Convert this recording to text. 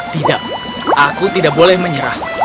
tidak aku tidak boleh menyerah